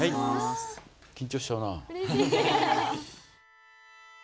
緊張しちゃうな。